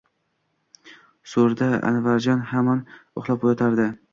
So`rida Anvarjon hamon uxlab yotardi